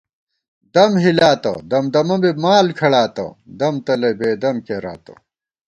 دم ہېلاتہ دمدَمہ بی مال کھڑاتہ دم تلئ بېدم کېراتہ